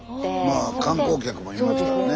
まあ観光客もいますからね。